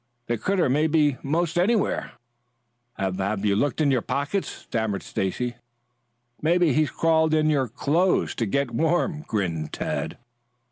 The critter may be 'most anywhere." "Have have you looked in your pockets?" stammered Stacy. "Yes, maybe he's crawled in your clothes to get warm," grinned Tad.